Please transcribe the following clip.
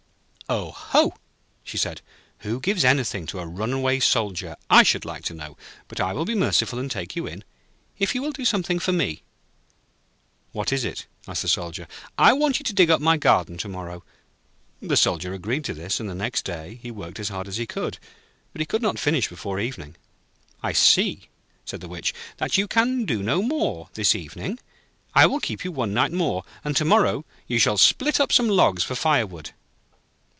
'Oh ho!' she said. 'Who gives anything to a runaway Soldier, I should like to know. But I will be merciful and take you in, if you will do something for me.' 'What is it?' asked the Soldier. 'I want you to dig up my garden to morrow.' The Soldier agreed to this, and next day he worked as hard as he could, but he could not finish before evening. 'I see,' said the Witch, 'that you can do no more this evening. I will keep you one night more, and to morrow you shall split up some logs for firewood.'